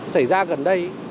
xảy ra gần đây